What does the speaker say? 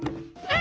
あ。